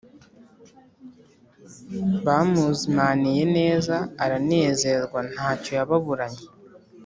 bamuzimaniye neza aranezerwa ntacyo yababuranye